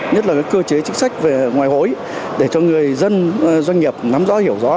nhất là cơ chế chính sách về ngoại hối để cho người dân doanh nghiệp nắm rõ hiểu rõ